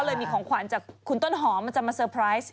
เลยมีของขวัญจากคุณต้นหอมมันจะมาเซอร์ไพรส์